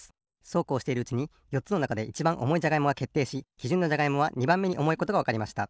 そうこうしているうちによっつのなかでいちばんおもいじゃがいもがけっていしきじゅんのじゃがいもは２ばんめにおもいことがわかりました。